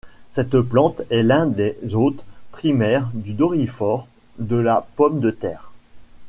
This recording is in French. Cette plante est l'un des hôtes primaires du doryphore de la pomme de terre.